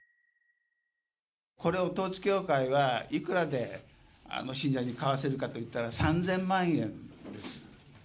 これを統一教会は、いくらで信者に買わせるかといったら、３０００万円です。